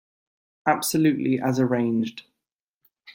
Absolutely as arranged.